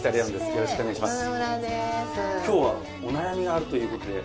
よろしくお願いします。